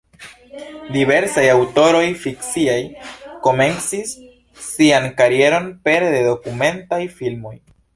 Diversaj aŭtoroj fikciaj komencis sian karieron pere de dokumentaj filmoj.